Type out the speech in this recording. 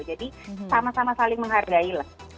jadi sama sama saling menghargai lah